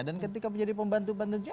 dan ketika menjadi pembantu pembantunya